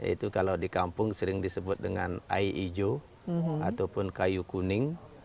itu kalau di kampung sering disebut dengan air hijau ataupun kayu kuning